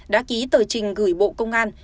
đã ký tờ trình gửi bộ công an